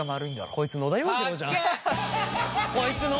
こいつ野田洋次郎じゃん。